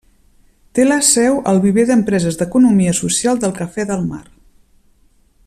Té la seu al viver d'empreses d'economia social del Cafè de Mar.